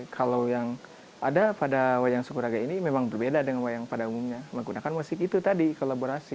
kalau yang ada pada wayang sukuraga ini memang berbeda dengan wayang pada umumnya